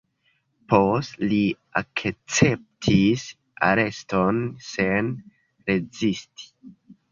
Poste li akceptis areston sen rezisti.